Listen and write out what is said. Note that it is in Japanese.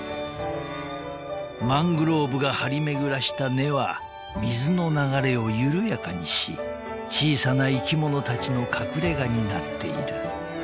［マングローブが張り巡らした根は水の流れを緩やかにし小さな生き物たちの隠れ家になっている］